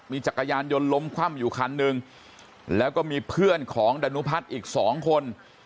จักรยานยนต์ล้มคว่ำอยู่คันหนึ่งแล้วก็มีเพื่อนของดานุพัฒน์อีกสองคน